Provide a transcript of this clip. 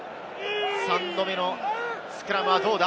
３度目のスクラムはどうだ？